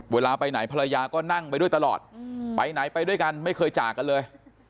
เวลาไปไหนภรรยาก็นั่งไปด้วยตลอดไปไหนไปด้วยกันไม่เคยจากกันเลย